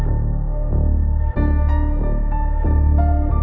kalian sudah selesai